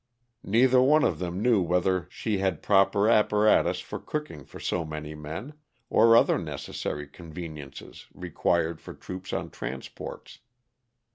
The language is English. Neither one of them knew whether she had proper apparatus for cook ing for so many men, or other necessary conveniences required for troops on transports.